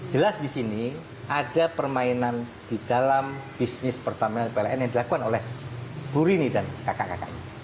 jelas di sini ada permainan di dalam bisnis pertama pln yang dilakukan oleh bu rini dan kakak kakaknya